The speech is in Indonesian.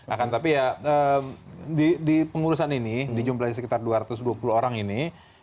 akan tapi ya di pengurusan ini di jumlahnya sekitar dua ratus dua puluh orang ini